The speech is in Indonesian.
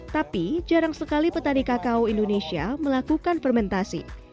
tapi jarang sekali petani kakao indonesia melakukan fermentasi